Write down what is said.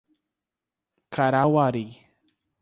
Carauari